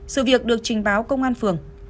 sự việc được trình báo công an phường